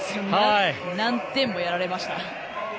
何点もやられました。